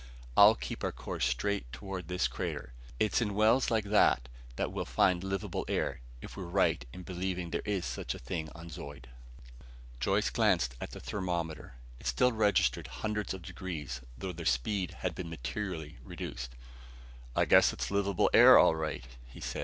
I'll keep our course straight toward this crater. It's in wells like that, that we'll find livable air if we're right in believing there is such a thing on Zeud." Joyce glanced at the thermometer. It still registered hundreds of degrees, though their speed had been materially reduced. "I guess there's livable air, all right," he said.